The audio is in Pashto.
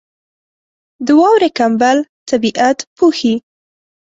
• د واورې کمبل طبیعت پوښي.